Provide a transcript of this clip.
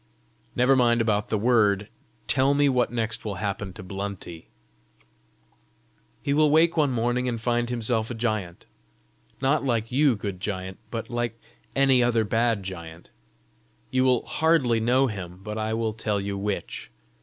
"Never mind about the word; tell me what next will happen to Blunty." "He will wake one morning and find himself a giant not like you, good giant, but like any other bad giant. You will hardly know him, but I will tell you which.